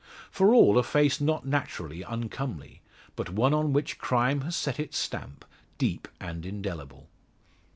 For all a face not naturally uncomely, but one on which crime has set its stamp, deep and indelible.